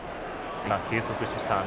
今、計測しました